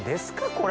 これ。